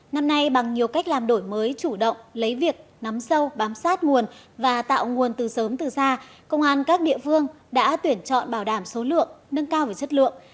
năm nay bằng nhiều cách làm đổi mới chủ động lấy việc nắm sâu bám sát nguồn và tạo nguồn từ sớm từ xa công an các địa phương đã tuyển chọn bảo đảm số lượng nâng cao về chất lượng